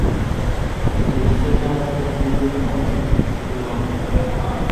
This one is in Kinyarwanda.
ibyo bisa nkaho ari byiza cyane kuba impamo